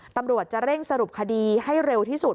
ตำรวจจะเร่งสรุปคดีให้เร็วที่สุด